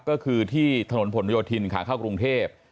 ก็คือที่ถนนผลโยธินขาเข้ากรุงเทพ